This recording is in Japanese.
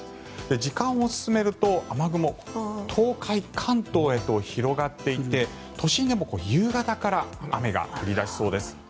時間を進めると、雨雲東海、関東へと広がっていって都心でも夕方から雨が降り出しそうです。